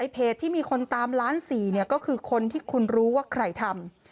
เพจที่มีคนตามล้าน๔ก็คือคนที่คุณรู้ว่าใครทำ